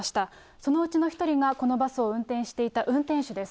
そのうちの一人がこのバスを運転していた運転手です。